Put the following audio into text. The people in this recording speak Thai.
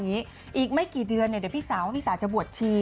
อีกไม่กี่เดือนว่าพี่สาจะบวชชี